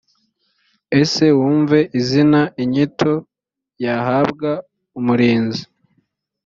ese wumve izina inyito y ahabwa umurinzi